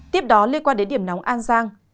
tiếp đó liên quan đến điểm nóng an giang